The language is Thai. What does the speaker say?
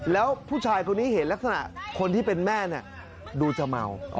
แล้วผู้ชายคนนี้เห็นลักษณะคนที่เป็นแม่ดูจะเมา